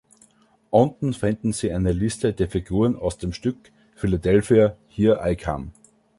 Unten finden Sie eine Liste der Figuren aus dem Stück Philadelphia, Here I Come!